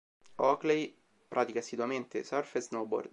Oakley pratica assiduamente surf e snowboard.